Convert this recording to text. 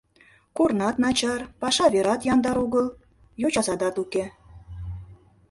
Корнат начар, паша верат яндар огыл, йочасадат уке.